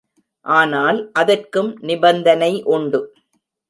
ஆனால் அதற்கும் நிபந்தனை உண்டு.